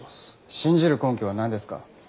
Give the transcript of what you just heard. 信じる根拠はなんですか？